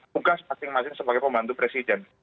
tugas masing masing sebagai pembantu presiden